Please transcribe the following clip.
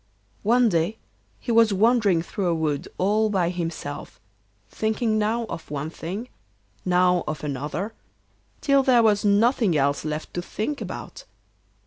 One day he was wandering through a wood all by himself, thinking now of one thing, now of another, till there was nothing else left to think about.